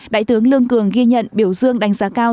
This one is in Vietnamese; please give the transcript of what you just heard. đại tướng lương cường ghi nhận biểu dương đánh giá cao